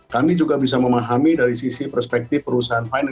kami juga bisa memahami dari sisi perspektif perusahaan finance